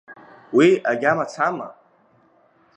Уи агьама цама?